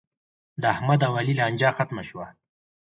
د احمد او علي لانجه ختمه شوه.